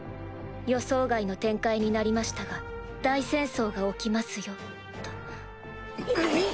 予想外の展開になりましたが大戦争が起きますよ」と。